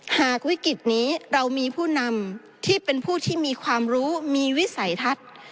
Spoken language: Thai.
หากวิกฤตนี้เรามีผู้นำที่เป็นผู้ที่มีความรู้มีวิสัยทัศน์